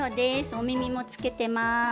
おみみもつけてます！